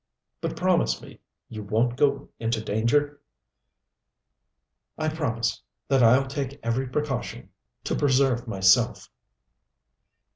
"But promise me you won't go into danger!" "I promise that I'll take every precaution to preserve myself."